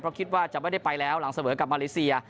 เพราะคิดว่าจะไม่ได้ไปแล้วหลังเสมอกับมาเลเซีย